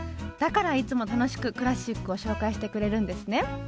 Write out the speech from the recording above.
だからいつも楽しくクラシックを紹介してくれるんですね。